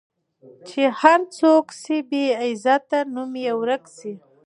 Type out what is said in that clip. چي هر څوک سي بې عزته نوم یې ورک سي